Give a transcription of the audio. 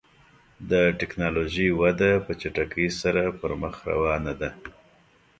د ټکنالوژۍ وده په چټکۍ سره پر مخ روانه ده.